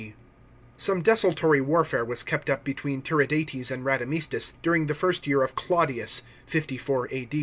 D.). Some desultory warfare was kept up between Tiridates and Radamistus, during the last year of Claudius (54 A.